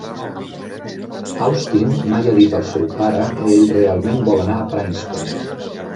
Austin mai ha dit al seu pare que ell realment vol anar a Princeton.